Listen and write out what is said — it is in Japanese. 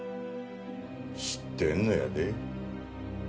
知ってんのやで。